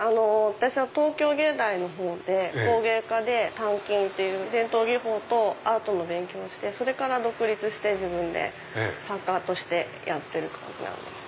私は東京藝大のほうで工芸科で鍛金っていう伝統技法とアートの勉強をしてそれから独立して自分で作家としてやってるんです。